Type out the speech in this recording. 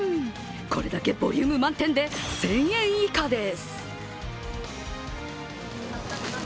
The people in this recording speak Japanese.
これだけボリューム満点で１０００円以下です。